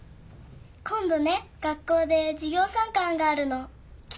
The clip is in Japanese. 今度ね学校で授業参観があるの。来てくれる？